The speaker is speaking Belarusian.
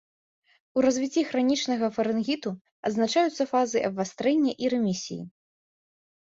У развіцці хранічнага фарынгіту адзначаюцца фазы абвастрэння і рэмісіі.